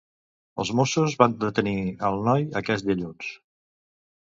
Els Mossos van detenir el noi aquest dilluns.